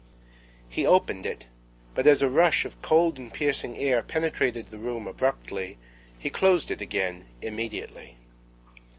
He opened it; but as a rush of cold and piercing air penetrated the room abruptly, he closed it again immediately.